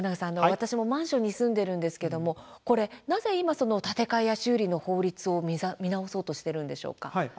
私もマンションに住んでいますが今、建て替えや修理の法律を見直そうとしているんでしょうか。